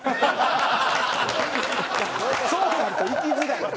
そうなるといきづらい。